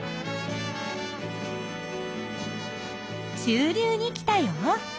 中流に来たよ。